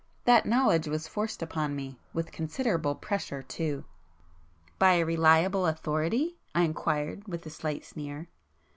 That knowledge was forced upon me,—with considerable pressure too!" "By a reliable authority?" I inquired with a slight sneer.